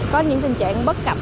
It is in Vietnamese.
có những tình trạng bất cập